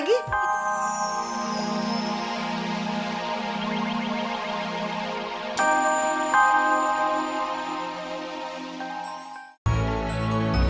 iya iya bener bener